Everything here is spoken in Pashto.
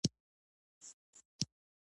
لرګي کم تودوخه انتقالوي.